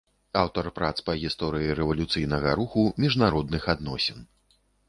Аўтар прац па гісторыі рэвалюцыйнага руху, міжнародных адносін.